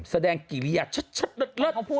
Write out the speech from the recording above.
แสดงกิริยาชัดเลิศ